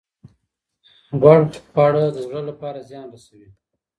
غوړ خواړه د زړه لپاره زیان رسوي.